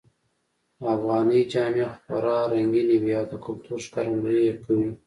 افغانۍ جامې خورا رنګینی وی او د کلتور ښکارندویې کوی